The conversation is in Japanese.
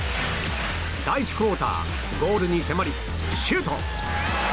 第１クオーターゴールに迫りシュート！